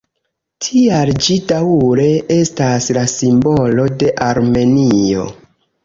Tial ĝi daŭre estas la simbolo de Armenio.